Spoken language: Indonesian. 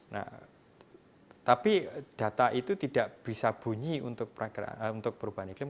nah tapi data itu tidak bisa bunyi untuk perubahan iklim